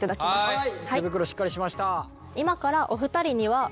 はい。